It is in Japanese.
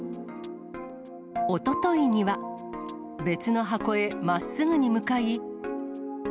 おとといには、別の箱へまっすぐに向かい。